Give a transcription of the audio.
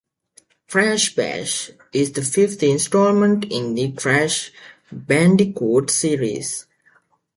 "Crash Bash" is the fifth installment in the "Crash Bandicoot" series.